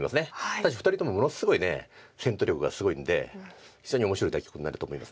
ただし２人ともものすごい戦闘力がすごいんで非常に面白い対局になると思います。